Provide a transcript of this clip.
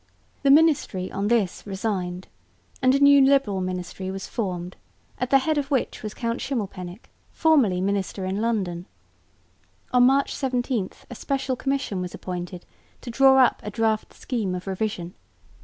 The ministry on this resigned and a new liberal ministry was formed, at the head of which was Count Schimmelpenninck, formerly minister in London. On March 17 a special Commission was appointed to draw up a draft scheme of revision.